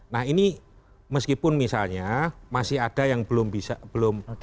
nah ini meskipun misalnya masih ada yang belum bisa belum